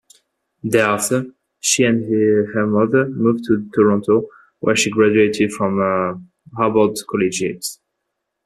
Thereafter, she and he mother moved to Toronto, where she graduated from Harbord Collegiate.